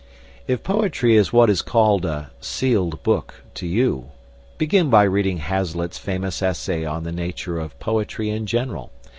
If poetry is what is called "a sealed book" to you, begin by reading Hazlitt's famous essay on the nature of "poetry in general."